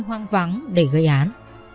nơi hoang vắng để gây án